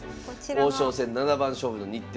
王将戦七番勝負の日程